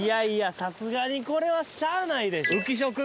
さすがにこれはしゃあないでしょ